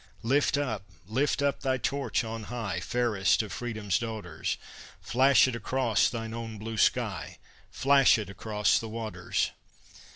Lift up, lift up thy torch on high, Fairest of Freedom's daughters! Flash it against thine own blue sky, Flash it across the waters!